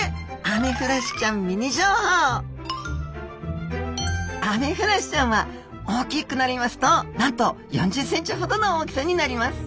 アメフラシちゃんは大きくなりますとなんと４０ｃｍほどの大きさになります。